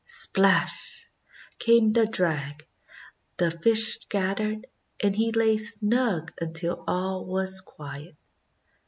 S plash 1 came the drag; the fish scattered, and he lay snug until all was quiet.